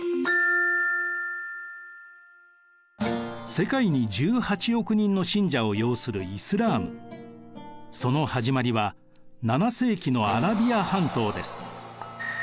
世界に１８億人の信者を擁するその始まりは７世紀のアラビア半島です。